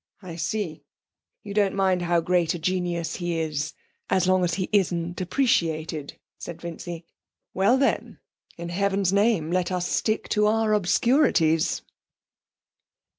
'I see; you don't mind how great a genius he is, as long as he isn't appreciated,' replied Vincy. 'Well, then, in heaven's name let us stick to our obscurities!'